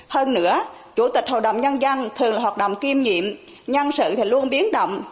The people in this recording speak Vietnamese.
hơn nữa chủ tịch hội đồng nhân dân thường là hoạt động kiêm nhiệm nhân sự thì luôn biến động